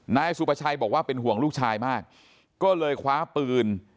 นายสุประชัยบอกว่าเป็นห่วงลูกชายมากก็เลยคว้าปืน